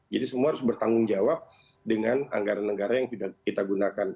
jadi semua harus bertanggung jawab dengan anggaran negara yang kita gunakan